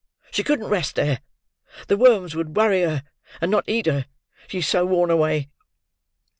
She couldn't rest there. The worms would worry her—not eat her—she is so worn away."